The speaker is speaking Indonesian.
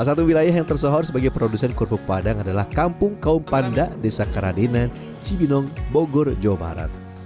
salah satu wilayah yang tersohor sebagai produsen kerupuk padang adalah kampung kaum panda desa karadenan cibinong bogor jawa barat